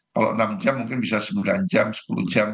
kalau enam jam mungkin bisa sembilan jam sepuluh jam